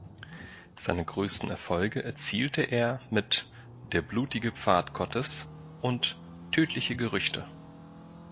Seine größten Erfolge erzielte er mit "Der blutige Pfad Gottes" und "Tödliche Gerüchte".